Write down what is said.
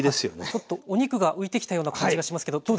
ちょっとお肉が浮いてきたような感じがしますけどどうですか？